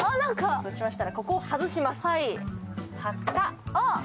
そうしましたら、ここを外します、パカッ。